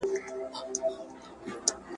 په غومبر او په مستیو ګډېدلې ,